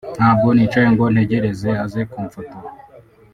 ntabwo nicaye ngo ntegereza aze kumfotora